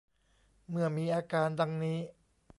เมื่อมีอาการดังนี้